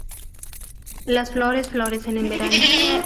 Las flores florecen en verano.